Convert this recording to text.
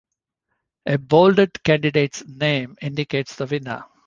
A bolded candidate's name' indicates the winner.